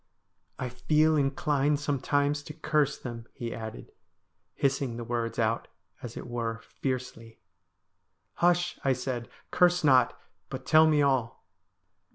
' I feel inclined sometimes to curse them,' he added, hissing the words out, as it were, fiercely. ' Hush,' I said, ' curse not, but tell me all.'